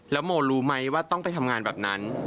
แล้วโมรู้ไหมว่าต้องไปทำงานแบบนั้น